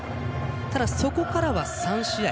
ただそこからは３試合